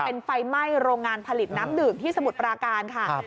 เป็นไฟไหม้โรงงานผลิตน้ำดื่มที่สมุทรปราการค่ะ